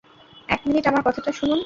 এক মিনিট আমার কথাটা শুনুন।